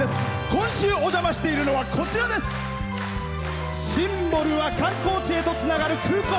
今週、お邪魔しているのはシンボルは観光地へとつながる空港。